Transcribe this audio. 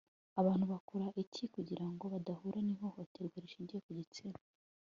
abantu bakora iki kugira ngo badahura n'ihohoterwa rishingiye ku igitsina